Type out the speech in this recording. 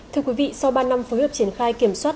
thưa quý vị sau ba năm phối hợp triển khai kiểm soát